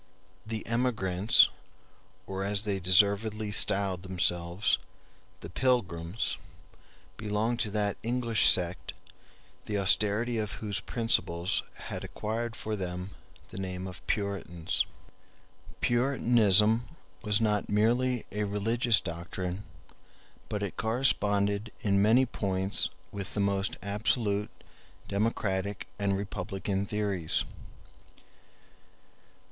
The emigrants, or, as they deservedly styled themselves, the Pilgrims, belonged to that English sect the austerity of whose principles had acquired for them the name of Puritans. Puritanism was not merely a religious doctrine, but it corresponded in many points with the most absolute democratic and republican theories.